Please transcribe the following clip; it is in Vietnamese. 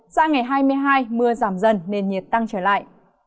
sang ngày hai mươi hai mưa giảm dần nền nhiệt tăng trở lại